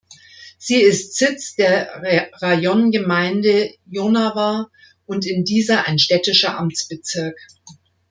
Sie ist Sitz der Rajongemeinde Jonava und in dieser ein städtischer Amtsbezirk.